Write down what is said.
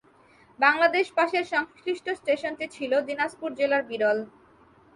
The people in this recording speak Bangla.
বাংলাদেশ পাশের সংশ্লিষ্ট স্টেশনটি ছিল দিনাজপুর জেলার বিরল।